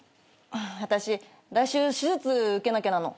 私来週手術受けなきゃなの。